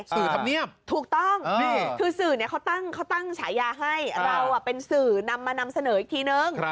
ธรรมเนียบถูกต้องคือสื่อเขาตั้งฉายาให้เราเป็นสื่อนำมานำเสนออีกทีนึง